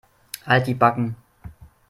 Halt die Backen.